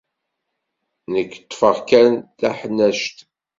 Nekk ṭṭfeɣ kan taḥnact.